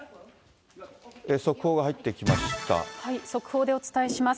速報でお伝えします。